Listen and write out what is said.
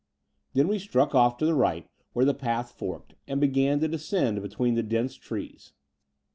Then we struck off to the right where the path forked, and began to descend between the dense trees.